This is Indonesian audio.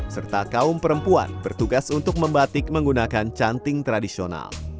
serta kaum perempuan bertugas untuk membatik menggunakan canting tradisional